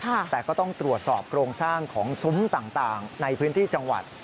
แต่ก็ต้องตรวจสอบโครงสร้างของซุ้มต่างในพื้นที่จังหวัด